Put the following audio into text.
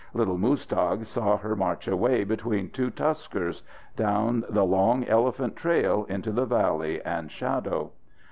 Little Muztagh saw her march away between two tuskers down the long elephant trail into the valley and the shadow.